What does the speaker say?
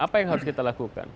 apa yang harus kita lakukan